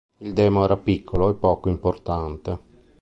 Il demo era piccolo e poco importante.